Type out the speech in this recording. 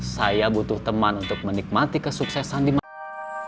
saya butuh teman untuk menikmati kesuksesan di mana